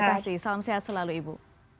terima kasih salam sehat selalu ibu